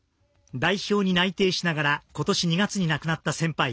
代表に内定しながらことし２月に亡くなった先輩